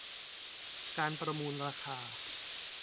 การประมูลราคา